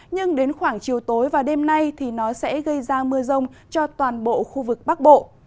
nhưng đến khoảng chiều tối và đêm nay thì nó sẽ gây ra mưa rông cho toàn bộ khu vực bắc bộ